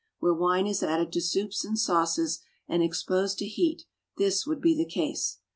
Where wine is added to soups and sauces and exposed to heat, this would be the case.